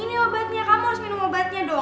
ini obatnya kamu harus minum obatnya dong